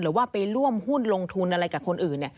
หรือว่าไปร่วมหุ้นลงทุนอะไรกับคนอื่น